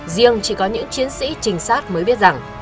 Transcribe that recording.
riêng chỉ có những chiến sĩ trinh sát mới biết rằng